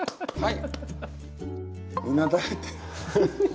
はい。